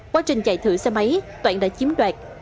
quá trình chạy thử xe máy toãn đã chiếm đoạt